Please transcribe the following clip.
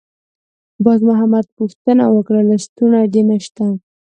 باز محمد پوښتنه وکړه: «لستوڼی دې نشته؟»